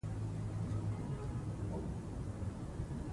د اوبو ککړول د ناروغیو د خپرېدو ستر لامل ګرځي.